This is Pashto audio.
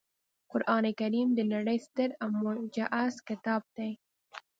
قرانکریم د نړۍ ستر او معجز کتاب دی